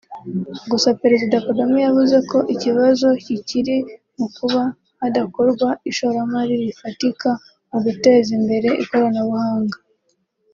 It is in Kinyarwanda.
Gusa Perezida Kagame yavuze ko ikibazo kikiri mu kuba hadakorwa ishoramari rifatika mu guteza imbere ikoranabuhanga